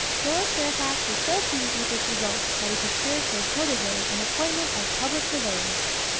Lord Fairfax was so pleased with its results that he procured for his protégé an appointment as public surveyor.